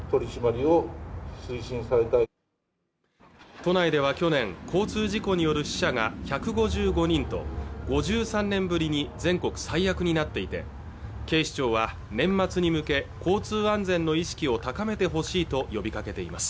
都内では去年交通事故による死者が１５５人と５３年ぶりに全国最悪になっていて警視庁は年末に向け交通安全の意識を高めてほしいと呼びかけています